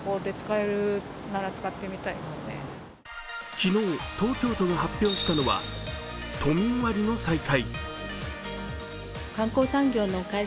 昨日、東京都が発表したのは、都民割の再開。